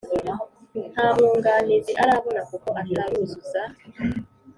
Nta mwunganizi arabona kuko ataruzuza